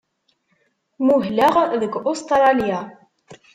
Muhleɣ deg Ustṛalya.